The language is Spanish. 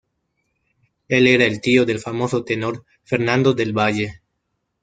Él era el tío del famoso tenor Fernando del Valle.